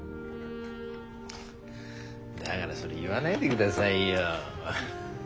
だからそれ言わないでくださいよ。